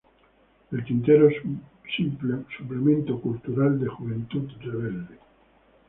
El Tintero, suplemento cultural de Juventud Rebelde.